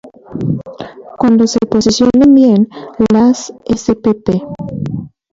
Cuando se posicionan bien, las spp.